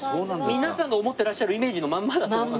皆さんが思ってらっしゃるイメージのまんまだと思います。